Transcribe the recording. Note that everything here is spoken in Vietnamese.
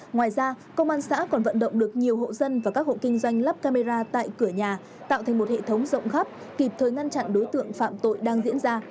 ngoài ra công an xã còn vận động được nhiều hộ dân và các hộ kinh doanh lắp camera tại cửa nhà tạo thành một hệ thống rộng khắp kịp thời ngăn chặn đối tượng phạm tội đang diễn ra